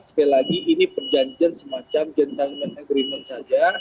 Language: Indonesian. sekali lagi ini perjanjian semacam gentleman agreement saja